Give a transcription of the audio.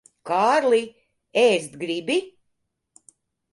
Kārli, ēst gribi?